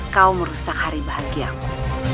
kau merusak hari bahagiamu